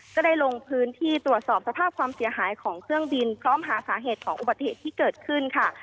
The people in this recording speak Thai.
ก็ได้ลงพื้นที่ตรวจสอบสภาพความเสียหายของเครื่องบินพร้อมหาสาเหตุของอุบัติเหตุที่เกิดขึ้นค่ะ